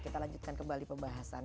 kita lanjutkan kembali pembahasan